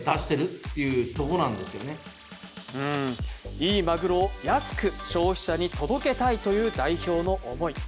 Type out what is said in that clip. いいマグロを安く消費者に届けたいという代表の思い。